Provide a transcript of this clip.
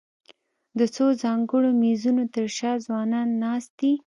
د څو ځانګړو مېزونو تر شا ځوانان ناست دي.